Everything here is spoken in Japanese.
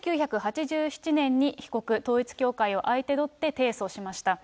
１９８７年に被告、統一教会を相手取って提訴しました。